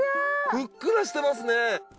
ふっくらしてますね。